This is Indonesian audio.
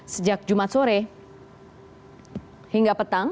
sejak jumat sore hingga petang